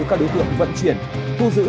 các đối tượng vận chuyển thu giữ